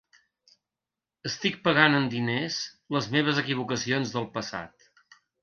Estic pagant amb diners les meves equivocacions del passat.